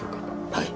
はい。